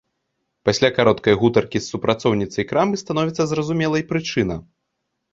Пасля кароткай гутаркі з супрацоўніцай крамы становіцца зразумелай прычына.